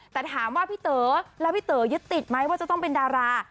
แต่ถามว่าพี่เต๋อแล้วพี่เต๋อยึดติดไหมว่าจะต้องเป็นดารา